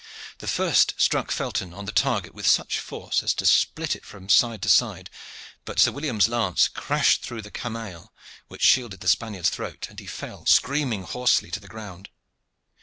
The first struck Felton on the target with such force as to split it from side to side, but Sir William's lance crashed through the camail which shielded the Spaniard's throat, and he fell, screaming hoarsely, to the ground.